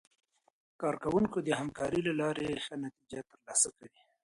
کارکوونکي د همکارۍ له لارې ښه نتیجه ترلاسه کوي